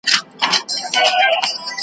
نه په سمه مځکه بند وو، نه په شاړه .